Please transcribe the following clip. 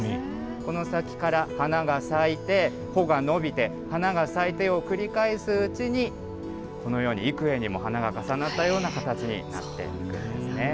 この先から花が咲いて、穂が伸びて、花が咲いてを繰り返すうちに、このように幾重にも花が重なったような形になっていくんですね。